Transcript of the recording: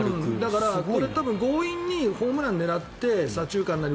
だから、多分強引にホームランを狙って左中間なり